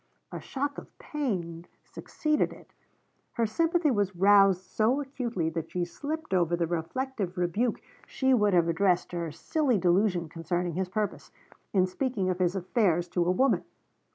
A shock of pain succeeded it. Her sympathy was roused so acutely that she slipped over the reflective rebuke she would have addressed to her silly delusion concerning his purpose in speaking of his affairs to a woman.